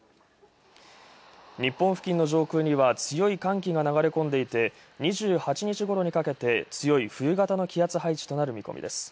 日本付近の上空には強い寒気が流れ込んでいて２８日頃にかけて強い冬型の気圧配置となる見込みです。